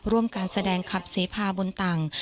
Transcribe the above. ร่วมการแสดงขับเสพาบนต่าง